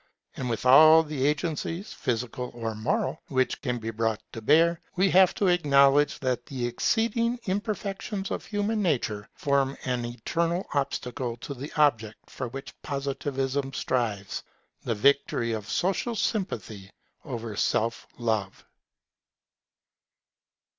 And with all the agencies, physical or moral, which can be brought to bear, we shall have to acknowledge that the exceeding imperfections of human nature form an eternal obstacle to the object for which Positivism strives, the victory of social sympathy over self love.